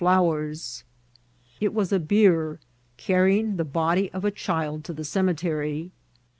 867 flowers. It was a bier carrying the body of a child to the cemetery.